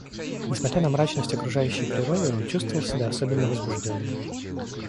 Несмотря на мрачность окружающей природы, он чувствовал себя особенно возбужденным.